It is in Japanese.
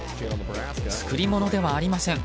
作り物ではありません。